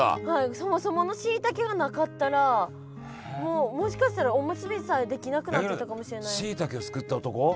そもそものしいたけがなかったらもうもしかしたらおむすびさえできなくなってたかもしれない。